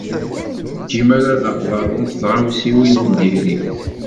Dima la aɣ-ḍerrunt tɣawsiwin n diri.